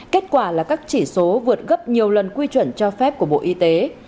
kết quả là các chỉ số vượt gấp nhiều lần quy chuẩn cho phép của bộ y tế